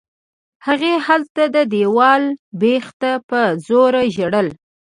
هغې هلته د دېوال بېخ ته په زوره ژړل.